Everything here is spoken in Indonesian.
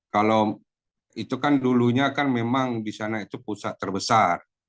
kalau itu kan dulunya kan memang di sana itu pusat terbesar